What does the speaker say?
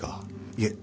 いえ。